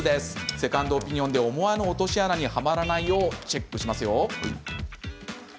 セカンドオピニオンで思わぬ落とし穴にはまらないようチェックしますよ。